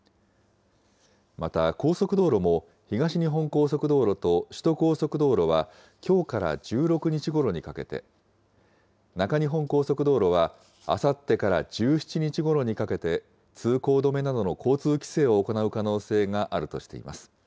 また、高速道路も、東日本高速道路と首都高速道路はきょうから１６日ごろにかけて、中日本高速道路は、あさってから１７日ごろにかけて、通行止めなどの交通規制を行う可能性があるとしています。